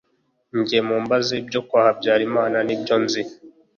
jye mumbaze ibyo kwa Habyarimana nibyo nzi